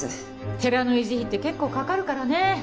寺の維持費って結構かかるからね。